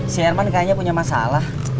si herman kayaknya punya masalah